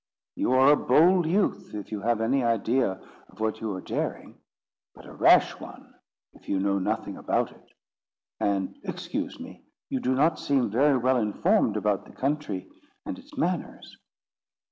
"You are a bold youth, if you have any idea of what you are daring; but a rash one, if you know nothing about it; and, excuse me, you do not seem very well informed about the country and its manners.